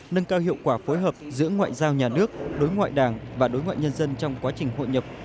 nâng cao hiệu quả phối hợp giữa ngoại giao nhà nước đối ngoại đảng và đối ngoại nhân dân trong quá trình hội nhập